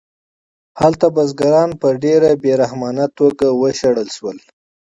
هلته بزګران په ډېره بې رحمانه توګه وشړل شول